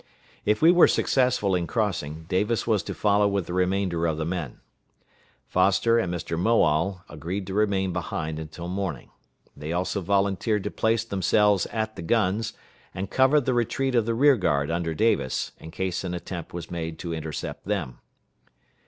If we were successful in crossing, Davis was to follow with the remainder of the men. Foster and Mr. Moale agreed to remain behind until morning. They also volunteered to place themselves at the guns, and cover the retreat of the rear guard under Davis, in case an attempt was made to intercept them.